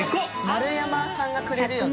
丸山さんがくれるよね。